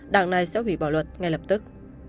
đảng này sẽ hủy bỏ luật ngay lập tức